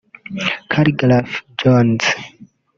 Khaligraph Jones